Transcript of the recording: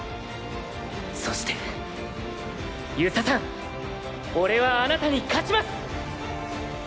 そして遊佐さん俺はあなたに勝ちます！